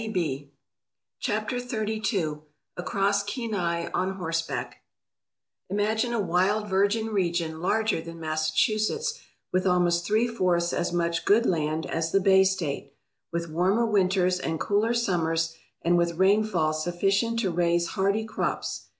255 CHAPTER XXXII ACROSS KENAI ON HORSEBACK IMAGINE a wild virgin region larger than Massachu setts with almost three fourths as much good land as the Bay State, with warmer winters and cooler summers and with rainfall sufficient to raise hardy crops.